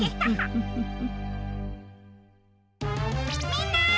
みんな！